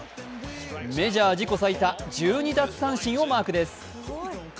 メジャー自己最多、１２奪三振をマークです。